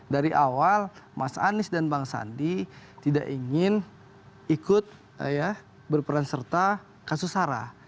dari awal mas anies dan bang sandi tidak ingin ikut berperan serta kasus sarah